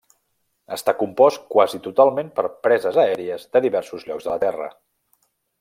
Està compost quasi totalment per preses aèries de diversos llocs de la Terra.